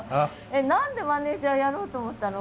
何でマネージャーやろうと思ったの？